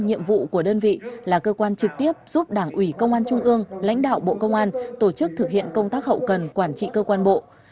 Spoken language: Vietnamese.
nhiệm vụ của đơn vị là cơ quan trực tiếp giúp đảng ủy công an trung ương lãnh đạo bộ công an tổ chức thực hiện công tác hậu cần quản trị cơ quan bộ